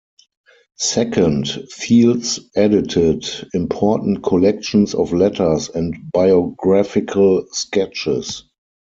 Second, Fields edited important collections of letters and biographical sketches.